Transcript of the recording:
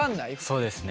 そうですね。